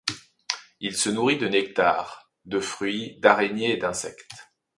Il se nourrit de nectar, de fruits, d'araignées et d'insectes.